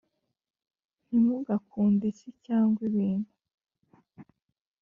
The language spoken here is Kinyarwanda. Ntimugakunde isi cyangwa ibintu